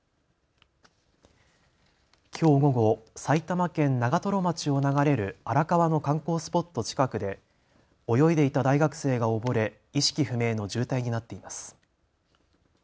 きょう午後、埼玉県長瀞町を流れる荒川の観光スポット近くで泳いでいた大学生が溺れ意識不明の重体になっています。